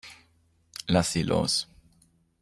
Lass sie los.